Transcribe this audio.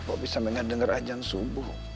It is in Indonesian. kok bisa nggak denger ajan subuh